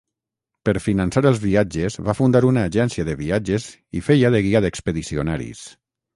Per finançar els viatges va fundar una agència de viatges i feia de guia d'expedicionaris.